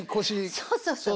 そうそうそう。